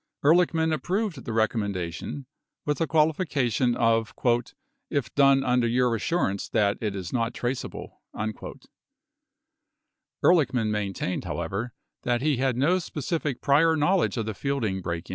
10 Ehrlichman approved the recommendation with the qualification of "if done under your assurance that it is not traceable." 11 Ehrlichman maintained, however, that he had no specific prior knowledge of the Fielding break in.